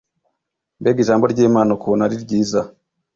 Mbega ijambo ry'Imana ukuntu ari ryiza